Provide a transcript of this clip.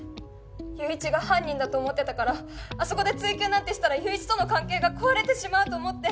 友一が犯人だと思ってたからあそこで追及なんてしたら友一との関係が壊れてしまうと思って。